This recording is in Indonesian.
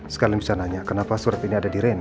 sekalian bisa nanya kenapa surat ini ada di rena